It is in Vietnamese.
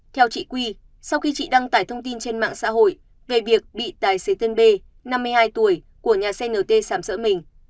theo chị quy sau khi chị đăng tải thông tin trên mạng xã hội về việc bị tài xế tên b năm mươi hai tuổi của nhà cnt sảm sỡ mình